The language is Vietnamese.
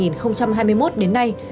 năm hai nghìn hai mươi một đến nay